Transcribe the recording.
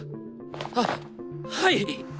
はっはい！